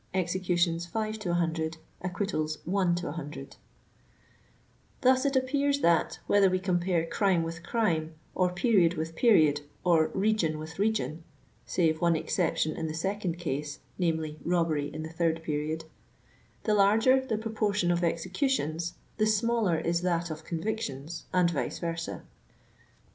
IS " 49 «« 8 " S4 «« 5 " 1 " Thus it appears that, whether we compare crime with crime, or period with period, or region witli region, (save one exception in the second case, viz. : robbery in the third period,) the larger the proportion of executions, the smaller is that of convictions, and vice versa.